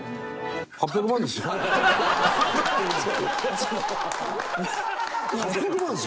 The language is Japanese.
８００万ですよ？